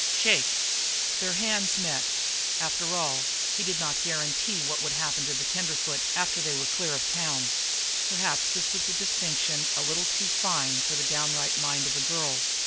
"Shake." Their hands met. After all, he did not guarantee what would happen to the tenderfoot after they were clear of the town. But perhaps this was a distinction a little too fine for the downright mind of the girl.